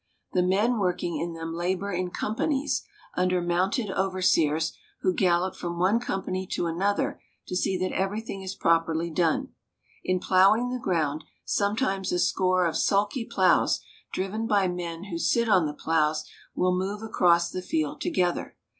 The men working in them labor in companies, under mounted overseers, who gallop from one company to another to see that everything is properly done. In plowing the ground, sometimes a score of sulky plows, driven by men who sit on the plows, will move across the field together.